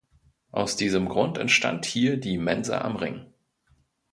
Aus diesem Grund entstand hier die "Mensa am Ring".